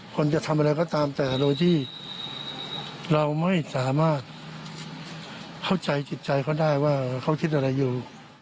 คนจะทำอะไรก็ตามแต่โดยที่เราไม่สามารถเข้าใจจิตใจเขาได้ว่าเขาคิดอะไรอยู่